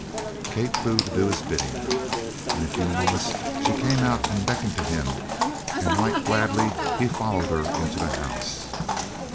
Kate flew to do his bidding. In a few moments she came out and beckoned to him, and right gladly he followed her into the house.